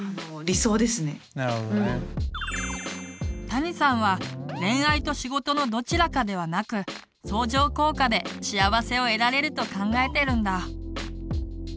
たにさんは恋愛と仕事のどちらかではなく相乗効果で幸せを得られると考えてるんだ。